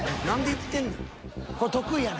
何で行ってんの？